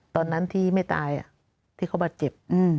ตอนนั้นที่ไม่ตายที่เขาบาดเจ็บ